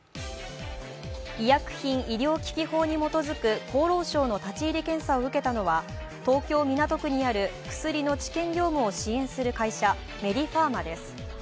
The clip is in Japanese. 医薬品医療機器等法に基づく厚労省の立ち入り検査を受けたのは東京・港区にある薬の治験業務を支援する会社、メディファーマです。